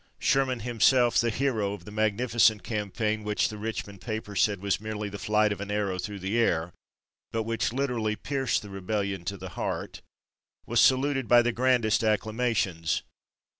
Sherman himself, the hero of the magnificent campaign which the Richmond papers said was merely the flight of an arrow through the air but which literally pierced the rebellion to the heart was saluted by the grandest acclamations.